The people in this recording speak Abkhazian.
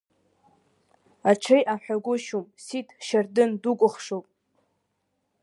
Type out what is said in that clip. Аҽеи аҳәагәышьом, Сиҭ, Шьардын дукәыхшоуп!